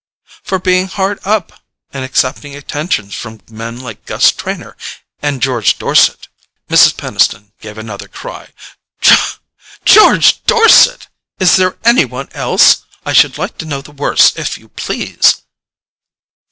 "For being hard up—and accepting attentions from men like Gus Trenor—and George Dorset——" Mrs. Peniston gave another cry. "George Dorset? Is there any one else? I should like to know the worst, if you please."